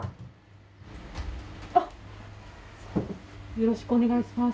よろしくお願いします。